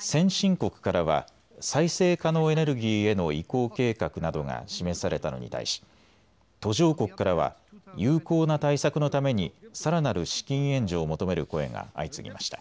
先進国からは再生可能エネルギーへの移行計画などが示されたのに対し途上国からは有効な対策のためにさらなる資金援助を求める声が相次ぎました。